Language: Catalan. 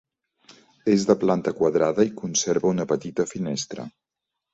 És de planta quadrada i conserva una petita finestra.